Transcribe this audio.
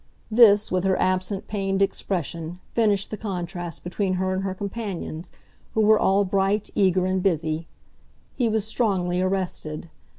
This, with her absent, pained expression, finished the contrast between her and her companions, who were all bright, eager, and busy. He was strongly arrested.